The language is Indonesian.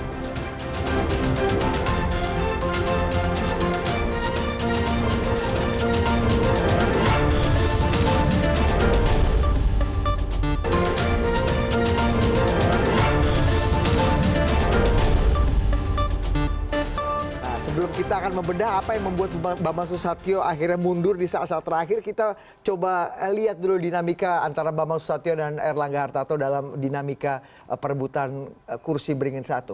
nah sebelum kita akan membedah apa yang membuat bambang susatyo akhirnya mundur di saat saat terakhir kita coba lihat dulu dinamika antara bambang susatyo dan erlangga hartato dalam dinamika perebutan kursi beringin satu